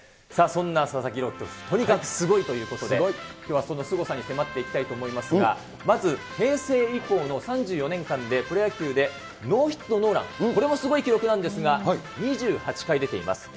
そんな佐々木朗希投手、とにかくすごいということで、きょうはそのすごさに迫っていきたいと思いますが、まず平成以降の３４年間で、プロ野球でノーヒットノーラン、これもすごい記録なんですが、２８回出ています。